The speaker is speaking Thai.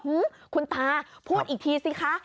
อืมคุณตาพูดอีกทีสิคะ